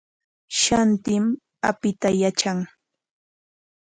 Shantim apita yatran.